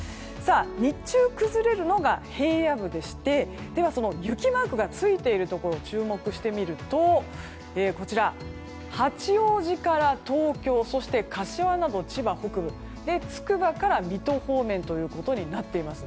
日中、崩れるのが平野部でして雪マークがついているところに注目してみると八王子から東京そして柏など千葉北部つくばから水戸方面ということになっています。